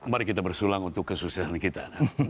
mari kita bersulang untuk kesusahan kita